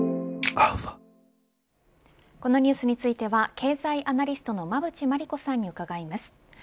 このニュースについては経済アナリストの馬渕磨理子さんに伺います。